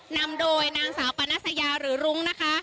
นำโดยนางสาวปานัสยาหรือรุ้งนะคะ